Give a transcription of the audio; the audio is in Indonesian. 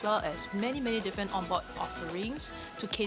mereka juga memiliki banyak tawaran di luar negara untuk mengikuti grup grup kami